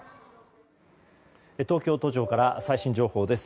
東京都庁から最新情報です。